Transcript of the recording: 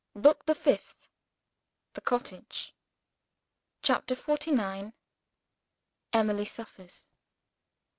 BOOK THE FIFTH THE COTTAGE. CHAPTER XLIX. EMILY SUFFERS.